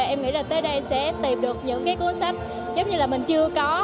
em nghĩ là tới đây sẽ tìm được những cái cuốn sách giống như là mình chưa có